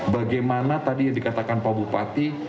bagaimana tadi dikatakan pak bupati